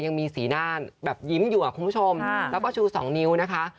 ยังมีสีหน้าแบบยิ้มอยู่อ่ะคุณผู้ชมแล้วก็ชู๒นิ้วนะคะ